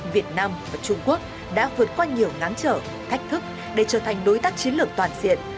việt nam và trung quốc đã vượt qua nhiều ngáng trở thách thức để trở thành đối tác chiến lược toàn diện